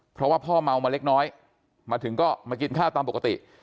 เพราะว่าพ่อเมามาเล็กน้อยมาถึงก็มากินข้าวตามปกติ